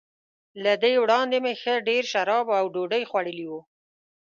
له دې وړاندي مې ښه ډېر شراب او ډوډۍ خوړلي وو.